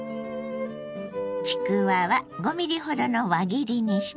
ちくわは５ｍｍほどの輪切りにしてね。